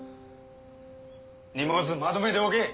荷物まとめておけ。